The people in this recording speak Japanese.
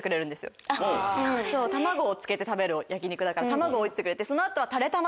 卵をつけて食べる焼き肉だから卵を置いててくれて。